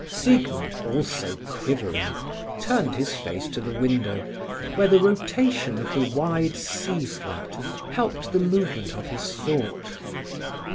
Siegmund, also quivering, turned his face to the window, where the rotation of the wide sea flat helped the movement of his thought.